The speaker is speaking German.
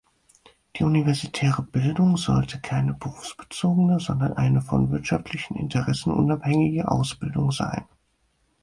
Die universitäre Bildung sollte keine berufsbezogene, sondern eine von wirtschaftlichen Interessen unabhängige Ausbildung sein.